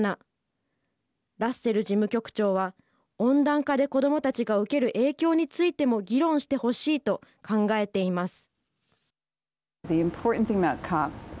ラッセル事務局長は温暖化で子どもたちが受ける影響についても議論してほしいと考えています。